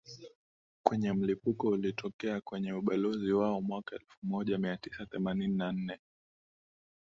kwenye mlipuko ulitokea kwenye Ubalozi wao mwaka elfumoja miatisa themanini na bnane